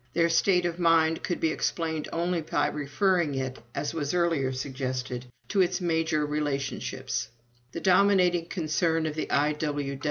Their state of mind could be explained only by referring it, as was earlier suggested, to its major relationships. The dominating concern of the I.